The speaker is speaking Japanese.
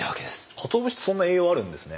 かつお節ってそんな栄養あるんですね。